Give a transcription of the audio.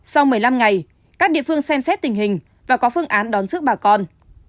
sau một mươi năm ngày các địa phương xem xét tình hình và có phương án đón rước bà con